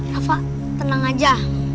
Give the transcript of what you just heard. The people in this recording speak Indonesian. rafa tenang aja